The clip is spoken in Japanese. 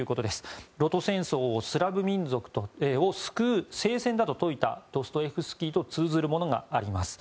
露土戦争をスラブ民族を救う聖戦だと説いたドストエフスキーと通ずるものがあります。